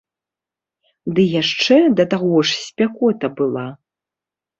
Ды яшчэ да таго ж спякота была.